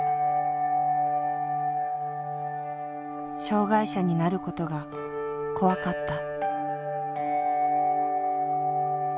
障害者になることが怖かった。